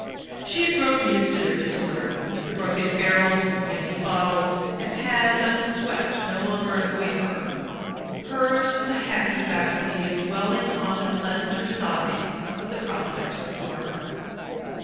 She had grown used to their disorder; the broken barrels, the empty bottles and paths unswept no longer annoyed her; hers was the happy faculty of dwelling on the pleasanter side of the prospect before her.